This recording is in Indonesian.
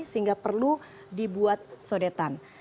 sehingga perlu dibuat sodetan